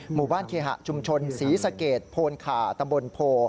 หมู่บ้านเคหะจุมชนศรีสเกตโพนค่าตำบลโพ